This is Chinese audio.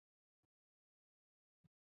参加长征。